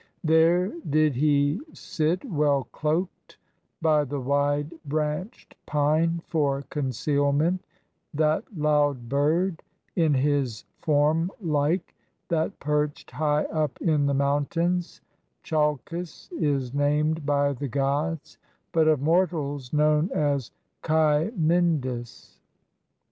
There did he sit well cloaked by the wide branched pine for concealment, That loud bird, in his form like, that perched high up in the mountains, Chalkis is named by the Gods, but of mortals known as Kymindis.